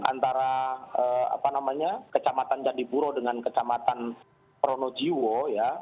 antara kecamatan candipuro dengan kecamatan pronojiwo ya